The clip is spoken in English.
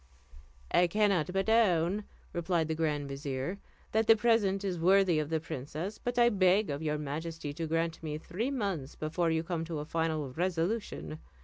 "I cannot but own," replied the grand vizier, "that the present is worthy of the princess; but I beg of your majesty to grant me three months before you come to a final resolution.